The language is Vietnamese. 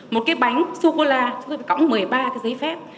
một cái bánh sô cô la chúng tôi phải cõng một mươi ba cái giấy phép